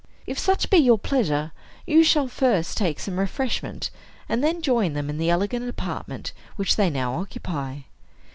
If such be your pleasure, you shall first take some refreshment, and then join them in the elegant apartment which they now occupy.